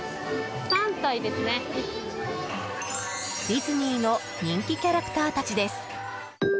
ディズニーの人気キャラクターたちです。